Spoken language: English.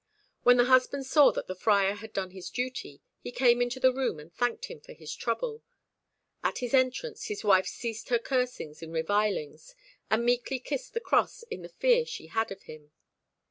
When the husband saw that the Friar had done his duty, he came into the room and thanked him for his trouble. At his entrance his wife ceased her cursings and revilings, and meekly kissed the cross in the fear she had of him.